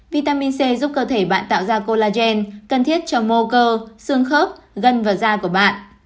vitamin c giúp cơ thể bạn tạo ra colagen cần thiết cho mô cơ xương khớp gân và da của bạn